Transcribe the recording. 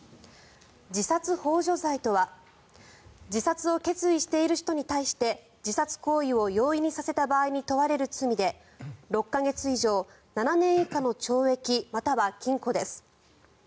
自殺ほう助罪とは自殺を決意している人に対して自殺行為を容易にさせた場合に問われる罪で６か月以上７年以下の懲役または禁錮です。